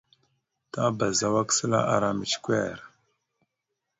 Tabaz awak səla ara micəkœr.